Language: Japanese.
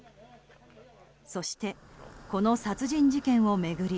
そして、この殺人事件を巡り